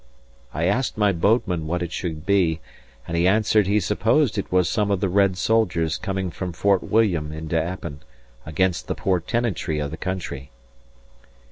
I asked my boatman what it should be, and he answered he supposed it was some of the red soldiers coming from Fort William into Appin, against the poor tenantry of the country.